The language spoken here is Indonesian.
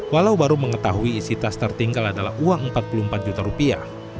walau baru mengetahui isi tas tertinggal adalah uang empat puluh empat juta rupiah